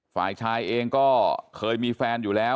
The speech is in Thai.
ฝ่ายชายเองก็เคยมีแฟนอยู่แล้ว